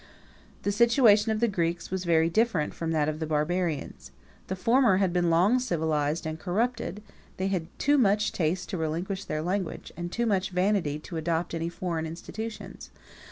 The situation of the Greeks was very different from that of the barbarians. The former had been long since civilized and corrupted. They had too much taste to relinquish their language, and too much vanity to adopt any foreign institutions.